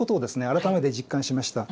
改めて実感しました。